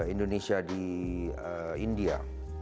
indonesia di india